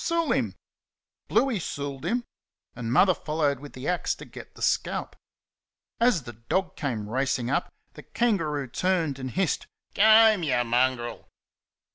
Sool him!" Bluey sooled him, and Mother followed with the axe to get the scalp. As the dog came racing up, the kangaroo turned and hissed, "G' home, y' mongrel!"